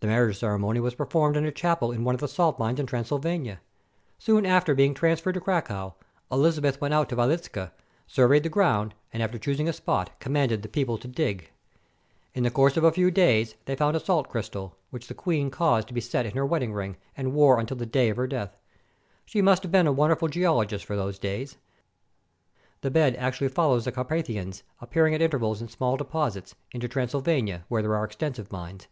The marriage ceremony was performed in a chapel in one of the salt mines of Transylvania. Soon after be ing transferred to Cracow, Elizabeth went out to Wie liczka, surveyed the ground, and, after choosing a spot, commanded the people to dig. In the course of a few 375 AUSTRIA HUNGARY days they found a salt crystal, which the queen caused to be set in her wedding ring, and wore until the day of her death. She must have been a wonderful geologist for those days. The bed actually follows the Carpa thians, appearing at intervals in small deposits, into Transylvania, where there are extensive mines.